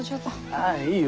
ああいいよ